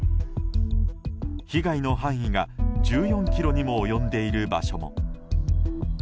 被害の範囲が１４ｋｍにも及んでいる場所も。